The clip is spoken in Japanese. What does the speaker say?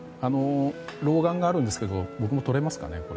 老眼があるんですけど僕も撮れますか？